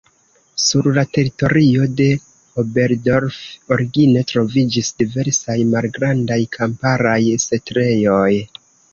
Sur la teritorio de Oberdorf origine troviĝis diversaj malgrandaj kamparaj setlejoj.